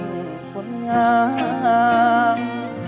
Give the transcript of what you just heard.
มีคนงาม